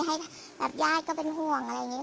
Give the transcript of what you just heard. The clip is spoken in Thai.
ให้แบบญาติก็เป็นห่วงอะไรอย่างนี้